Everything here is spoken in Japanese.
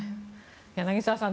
柳澤さん